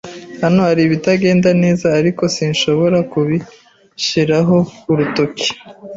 Hano hari ibitagenda neza, ariko sinshobora kubishyiraho urutoki.